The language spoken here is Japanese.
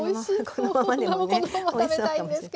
このまま食べたいんですけど。